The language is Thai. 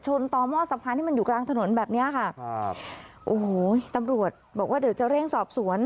ต่อหม้อสะพานที่มันอยู่กลางถนนแบบเนี้ยค่ะครับโอ้โหตำรวจบอกว่าเดี๋ยวจะเร่งสอบสวน